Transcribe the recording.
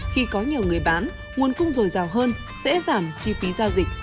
khi có nhiều người bán nguồn cung rồi giàu hơn sẽ giảm chi phí giao dịch